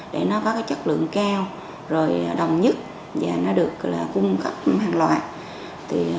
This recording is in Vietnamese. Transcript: để nó có chất lượng cao đồng nhất và được cung cấp hàng loại